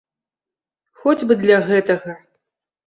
Хоць бы для гэтага!